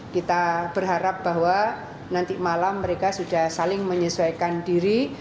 kita berharap bahwa nanti malam mereka sudah saling menyesuaikan diri